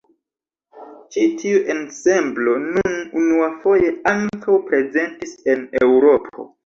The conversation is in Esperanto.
Ĉi tiu ensemblo nun unuafoje ankaŭ prezentis en Eŭropo.